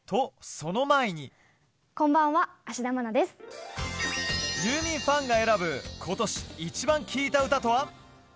こんばんは、ユーミンファンが選ぶ、今年イチバン聴いた歌とは。